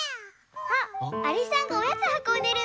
あっありさんがおやつはこんでるんだね。